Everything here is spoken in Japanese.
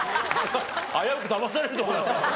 危うくだまされるとこだった。